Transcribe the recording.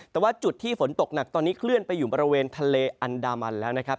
แต่ว่าจุดที่ฝนตกหนักตอนนี้เคลื่อนไปอยู่บริเวณทะเลอันดามันแล้วนะครับ